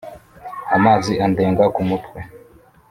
amazi andenga ku mutwe,